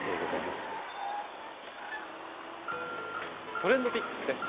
ＴｒｅｎｄＰｉｃｋｓです。